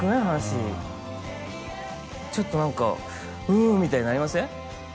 話ちょっと何か「うん」みたいになりません？